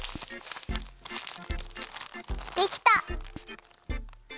できた！